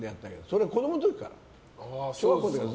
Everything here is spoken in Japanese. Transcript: それは子供の時から。